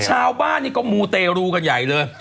ชาวบ้านนี่ก็มูเตรูกันใหญ่เลย